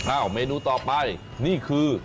เมนูต่อไปนี่คือ